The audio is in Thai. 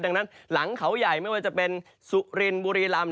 ดังนั้นหลังเขาใหญ่ไม่ว่าจะเป็นสุรินบุรีลำ